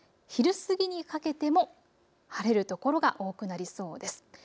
昼過ぎにかけても晴れる所が多くなりそうです。